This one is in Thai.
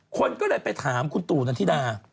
คนก็เลยไปถามคุณตู่นันทิดา